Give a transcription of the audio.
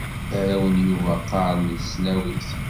Arraw n Yuba qqaren deg tesnawit.